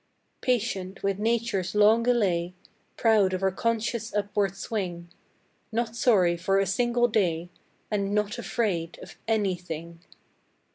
Patient with Nature's long delay, Proud of our conscious upward swing; Not sorry for a single day, And Not Afraid of Anything!